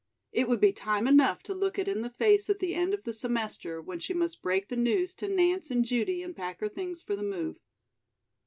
It would be time enough to look it in the face at the end of the semester, when she must break the news to Nance and Judy and pack her things for the move.